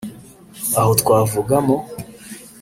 aho twavugamo